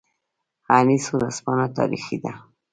انیس ورځپاڼه تاریخي ده